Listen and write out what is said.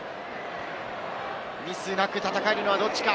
ミスなく戦えるのはどっちか。